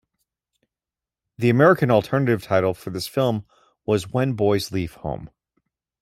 The American alternative title for this film was When Boys Leave Home.